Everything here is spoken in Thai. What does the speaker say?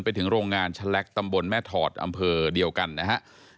ไปถึงโรงงานชะแล็กตำบลแม่ถอดอำเภอเดียวกันนะครับ